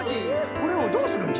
これをどうするんじゃ？